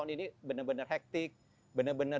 ini benar benar hektik benar benar